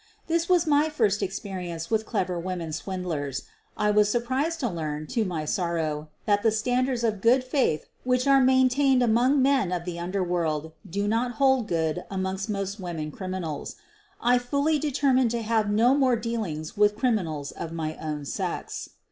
This was my first experience with clever women swindlers. I was surprised to learn, to my sorrow, that the standards of good faith which are main £04 SOPHIE LYONS tained among men of the underworld do not hold good among most women criminals. I fully de termined to have no more dealings with criminals of my own sex.